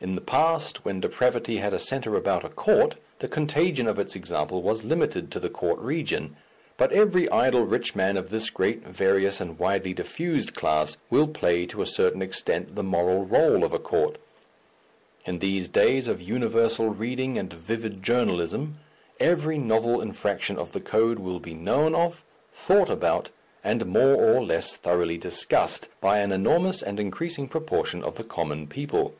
In the past, when depravity had a centre about a court, the contagion of its example was limited to the court region, but every idle rich man of this great, various, and widely diffused class, will play to a certain extent the moral rôle of a court. In these days of universal reading and vivid journalism, every novel infraction of the code will be known of, thought about, and more or less thoroughly discussed by an enormous and increasing proportion of the common people.